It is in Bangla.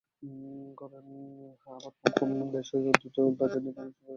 আবার খুব কম দেশই উদ্বৃত্ত বাজেট নীতি অনুসরণ করে।